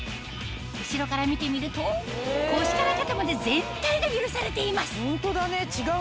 後ろから見てみると腰から肩まで全体が揺らされています